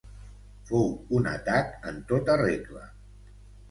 Fou un atac en tota regla.